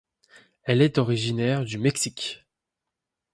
Elle est originaire du Mexique.